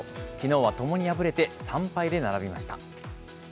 きのうはともに敗れて、３敗で並びました。